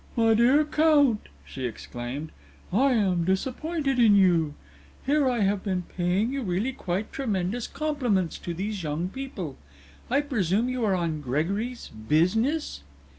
"My dear Count," she exclaimed, "I am disappointed in you! Here I have been paying you really quite tremendous compliments to these young people. I presume you are on Gregory's 'business'?"